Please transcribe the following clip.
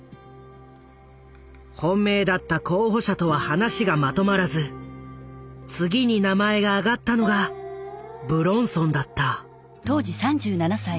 本命だった候補者とは話がまとまらず次に名前が挙がったのが武論尊だった。